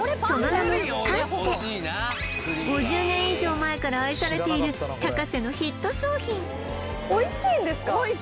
その名もカステ５０年以上前から愛されているタカセのヒット商品おいしいんです